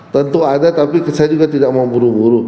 tentu ada tapi saya juga tidak mau buru buru